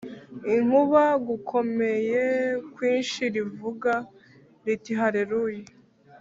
inkuba gukomeye kwinshi rivuga riti Haleluya